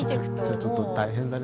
ちょっと大変だね